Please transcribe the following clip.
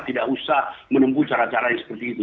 tidak usah menempuh cara cara yang seperti itu